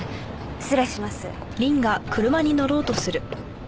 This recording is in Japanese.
失礼します。